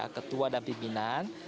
ketua dan pimpinan